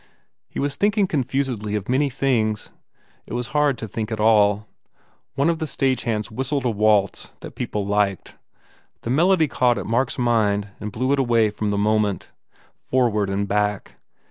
He was thinking confusedly of many things. It was hard to think at all. One of the stage hands whistled a waltz that people liked. The melody caught at Mark s mind and drew it away from the moment, forward and back.